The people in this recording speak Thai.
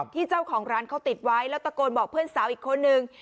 เจ้าของร้านเขาติดไว้แล้วตะโกนบอกเพื่อนสาวอีกคนนึง